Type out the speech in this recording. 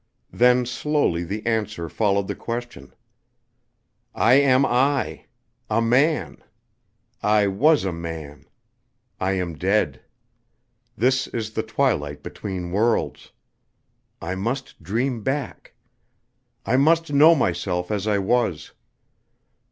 Then slowly the answer followed the question: "I am I. A man. I was a man. I am dead. This is the twilight between worlds. I must dream back. I must know myself as I was.